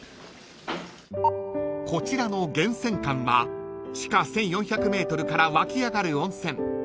［こちらの源泉館は地下１，４００ｍから湧き上がる温泉］